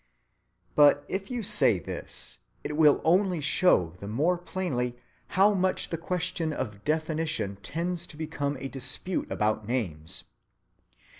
But if you say this, it will only show the more plainly how much the question of definition tends to become a dispute about names.